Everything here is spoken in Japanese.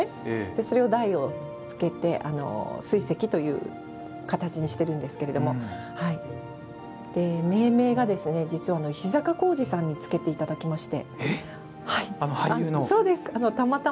それを台をつけて水石という形にしているんですけど命名が実は石坂浩二さんに付けていただきまして。